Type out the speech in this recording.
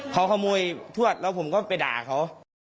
เขาขโมยทวดแล้วผมก็ไปด่าเขา